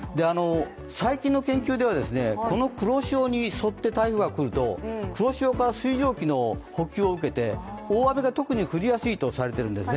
最近の研究では、この黒潮に沿って台風が来ると、黒潮から水蒸気の補給を受けて大雨が特に降りやすいとされるんですね。